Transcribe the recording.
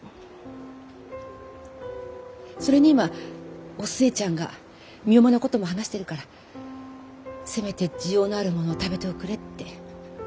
それに今お寿恵ちゃんが身重なことも話してるからせめて滋養のあるもの食べておくれって。